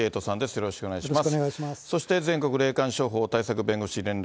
よろしくお願いします。